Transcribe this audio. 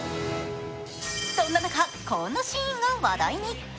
そんな中、こんなシーンが話題に。